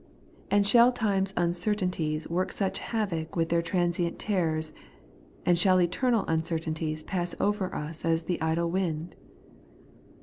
And shall time's uncer tainties work such havoc with their transient terrors, and shall eternal uncertainties pass over us as the idle wind